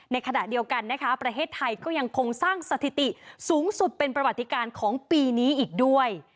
ในขณะเดียวกันนะคะประเทศไทยก็ยังคงสร้างสถิติสูงสุดเป็นประวัติการของปีนี้อีกด้วย